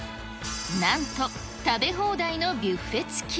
なんと、食べ放題のビュッフェつき。